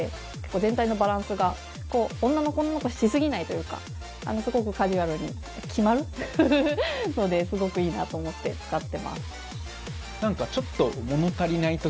全体のバランスが女の子女の子しすぎないというかすごくカジュアルに決まるのですごくいいなと思って使ってます。